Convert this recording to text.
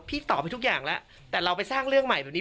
ตอบไปทุกอย่างแล้วแต่เราไปสร้างเรื่องใหม่แบบนี้